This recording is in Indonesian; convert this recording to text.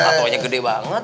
tatoannya gede banget